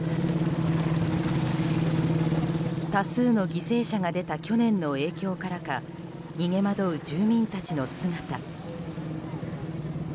多数の犠牲者が出た去年の影響からか逃げ惑う住民たちの姿。